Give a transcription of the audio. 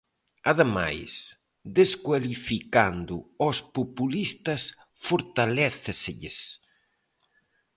Ademais, descualificando aos populistas fortaléceselles.